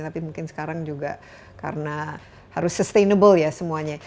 tapi mungkin sekarang juga karena harus sustainable ya semuanya